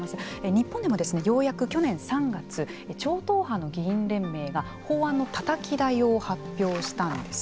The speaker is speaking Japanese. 日本でもようやく去年３月超党派の議員連盟が法案のたたき台を発表したんです。